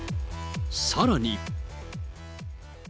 さらに。